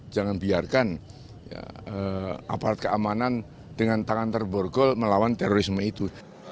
jangan biarkan aparat keamanan dengan tangan terborgol melawan terorisme itu